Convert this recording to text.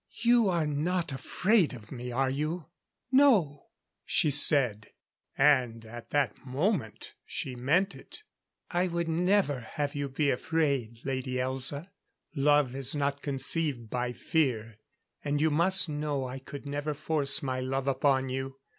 You are not afraid of me, are you?" "No," she said; and at that moment she meant it. "I would not have you ever be afraid, Lady Elza. Love is not conceived by fear. And you must know I could never force my love upon you.